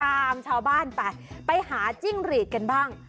ตามชาวบ้านไปไปหาจิ้งหรีดกันบ้าง